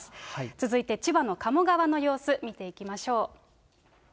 続いて千葉の鴨川の様子、見ていきましょう。